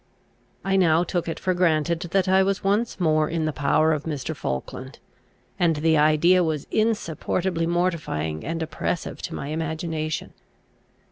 I now took it for granted that I was once more in the power of Mr. Falkland; and the idea was insupportably mortifying and oppressive to my imagination.